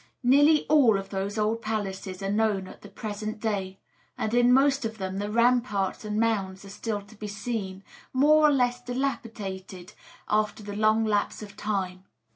Nearly all those old palaces are known at the present day; and in most of them the ramparts and mounds are still to be seen, more or less dilapidated after the long lapse of time.